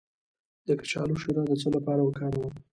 د کچالو شیره د څه لپاره وکاروم؟